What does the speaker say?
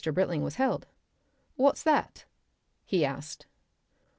Britling was held. "What's that?" he asked.